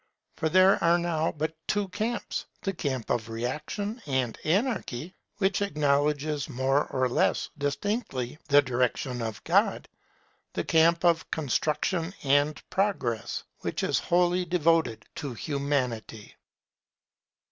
For there are now but two camps: the camp of reaction and anarchy, which acknowledges more or less distinctly the direction of God: the camp of construction and progress, which is wholly devoted to Humanity.